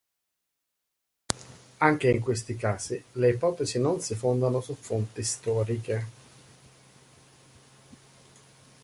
Anche in questi casi le ipotesi non si fondano su fonti storiche.